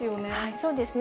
そうですね。